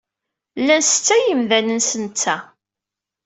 Llan setta yimdanen, s netta.